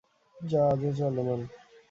যা আজও চলমান।